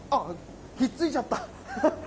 引っついちゃった。